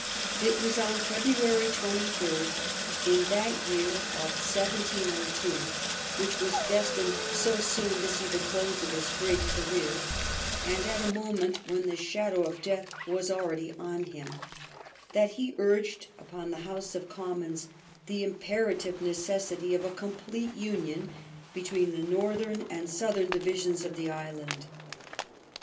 It was on February 28, in that year of 1702, which was destined so soon to see the close of his great career, and at a moment when the shadow of death was already on him, that he urged upon the House of Commons the imperative necessity of a complete union between the northern and south ern divisions of the island.